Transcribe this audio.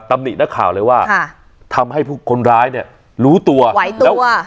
ตำหนินักข่าวเลยว่าค่ะทำให้ผู้คนร้ายเนี่ยรู้ตัวไหวตัว